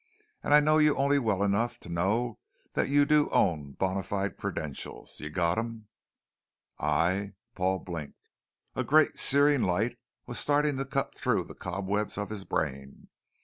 And I know you only well enough to know that you do own bona fide credentials. You've got 'em?" "I " Paul blinked. A great searing light was starting to cut through the cobwebs of his brain.